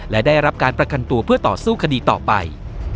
และได้รับการประกันตัวเพื่อต่อสู้คดีต่อไป